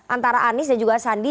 antara anies dan juga sandi